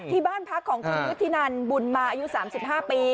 ที่บ้านพักของคุณวุฒินันบุญมาอายุ๓๕ปี